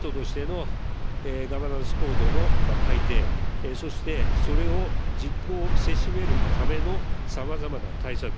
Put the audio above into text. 党としてのガバナンスコードの改定、そしてそれを実行せしめるためのさまざまな対策。